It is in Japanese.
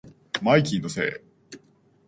マイキーのせい